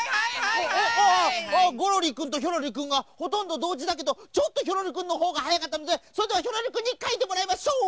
あっあぁゴロリくんとヒョロリくんがほとんどどうじだけどちょっとヒョロリくんのほうがはやかったのでそれではヒョロリくんにかいてもらいましょう！